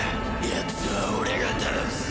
やつは俺が倒す！